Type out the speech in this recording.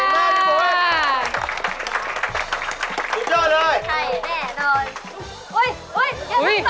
เก่งมากพี่ปุ๋ย